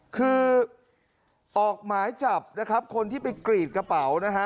คือออกหมายจับนะครับคนที่ไปกรีดกระเป๋านะฮะ